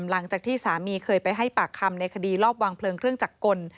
หลังจากที่สามีเคยไปให้ปากคำในคดีรอบวางเพลิงเครื่องจักรกล